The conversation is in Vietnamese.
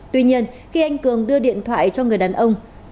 tuy nhiên khi anh cường đưa điện thoại cho người đàn ông